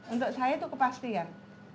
untuk saya itu kepastian